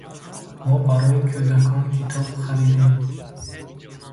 Мо барои кӯдакон китоб харидем.